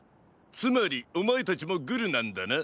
つまりおまえたちもグルなんだな。